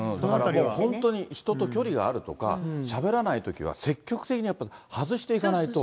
本当に人と距離があるとか、しゃべらないときは積極的にやっぱり外していかないと。